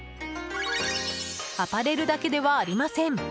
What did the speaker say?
アパレルだけではありません。